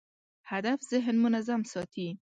هدف ذهن منظم ساتي.